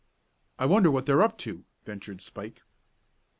"I wonder what they're up to," ventured Spike.